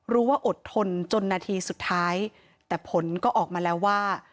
อดทนจนนาทีสุดท้ายแต่ผลก็ออกมาแล้วว่า